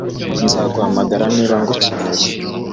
Nzaguhamagara niba ngukeneye